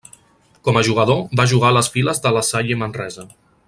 Com a jugador, va jugar a les files de la Salle Manresa.